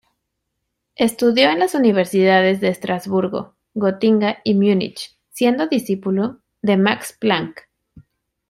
Estudió en las universidades de Estrasburgo, Gotinga y Múnich, siendo discípulo de Max Planck.